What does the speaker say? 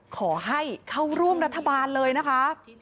ขอให้เข้าร่วมรัฐบาลเลยนะคะ